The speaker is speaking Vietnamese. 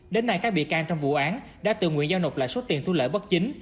đến nay các bị can trong vụ án đã tự nguyện giao nộp lại số tiền thu lợi bất chính